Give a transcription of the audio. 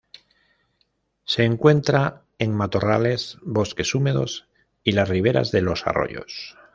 Se encuentra en matorrales, bosques húmedos y las riberas de los arroyos.